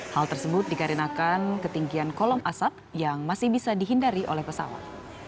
hal tersebut dikarenakan ketinggian kolom asap yang masih bisa dihindari oleh pesawat